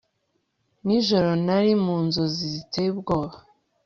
nijoro, nari mu nzozi ziteye ubwoba